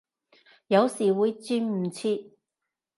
有時會轉唔切